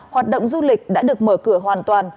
hoạt động du lịch đã được mở cửa hoàn toàn